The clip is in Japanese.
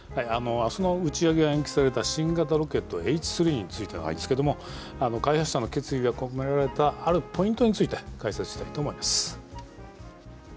あすの打ち上げが延期された新型ロケット、Ｈ３についてなんですけれども、開発者の決意が込められた、あるポイントについて解説したいと思います。